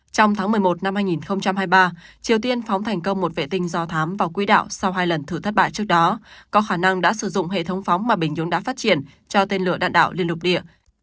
trong tháng một mươi một năm hai nghìn hai mươi ba triều tiên phóng thành công một vệ tinh do thám vào quỹ đạo sau hai lần thử thất bại trước đó có khả năng đã sử dụng hệ thống phóng mà bình nhưỡng đã phát triển cho tên lửa đạn đạo liên lục địa